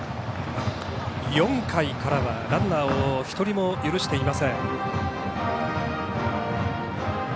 ４回からはランナーを１人も許していません。